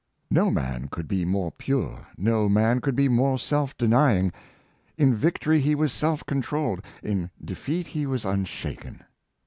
No man could be more pure, no man could be more self denying. In victory he was self controlled; in de feat he was unshaken.